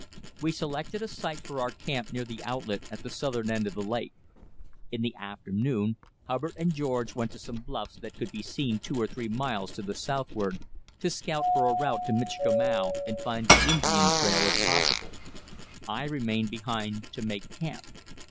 We selected a site for our camp near the outlet at the southern end of the lake. In the afternoon Hubbard and George went to some bluffs that could be seen two or three miles to the southward, to scout for a route to Michikamau and find the Indian trail if possible. I remained behind to make camp.